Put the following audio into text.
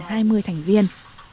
với khoảng gần hai mươi thành viên